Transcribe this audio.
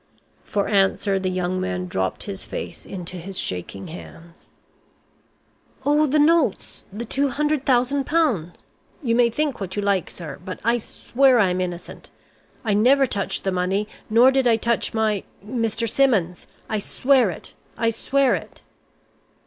For answer the young man dropped his face into his shaking hands. "Oh, the notes the £200,000! You may think what you like, sir, but I swear I am innocent! I never touched the money, nor did I touch my Mr. Simmons. I swear it, I swear it!"